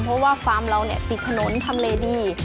เพราะว่าฟาร์มเราเนี่ยปิดถนนทำเลดี